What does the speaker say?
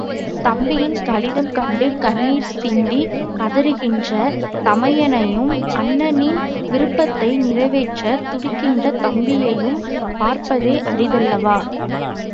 தம்பியின் கடிதம் கண்டு கண்ணீர் சிந்திக் கதறுகின்ற தமையனையும், அண்ணனின் விருப்பத்தை நிறைவேற்றத் துடிக்கின்ற தம்பியையும் பார்ப்பதே அரிதல்லவா?